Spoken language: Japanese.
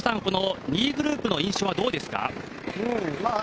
２位グループの印象はどうですか？